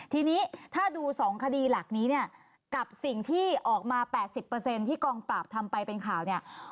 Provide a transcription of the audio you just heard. ทีนี้ถ้าดู๒คดีหลักนี้เนี่ยกับสิ่งที่ออกมา๘๐ที่กองปราบทำไปเป็นข่าวเนี่ย